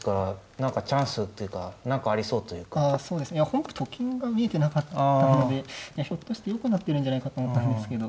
本譜と金が見えてなかったのでひょっとしてよくなってるんじゃないかと思ったんですけど。